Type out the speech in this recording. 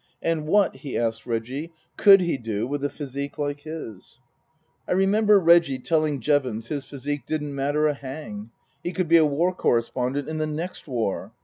And what he asked Reggie could he do with a physique like his ? I remember Reggie telling Jevons his physique didn't matter a hang. He could be a war correspondent in the next war.